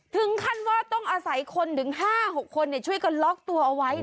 ถึงขั้นว่าต้องอาศัยคนถึง๕๖คนช่วยกันล็อกตัวเอาไว้